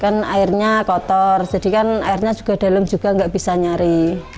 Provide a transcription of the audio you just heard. kan airnya kotor jadi kan airnya juga dalam juga nggak bisa nyari